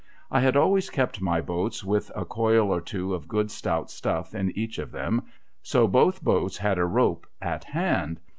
I had always kept my boats w ith a coil or two of good stout stuff in each of them, so both boats had a rope at hand.